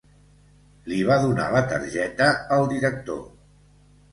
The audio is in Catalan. Li va donar la targeta al director.